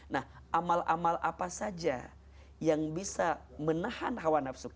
nah amal amal apa saja yang bisa menahan hawa nafsu kita